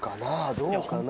どうかな？